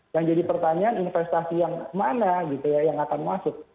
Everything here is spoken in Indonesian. yang jadi pertanyaan investasi yang mana gitu ya yang akan masuk